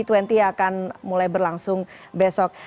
akan mulai berlangsung besok